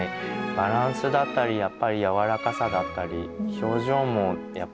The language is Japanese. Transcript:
バランスだったりやっぱりやわらかさだったり表情もやっぱり。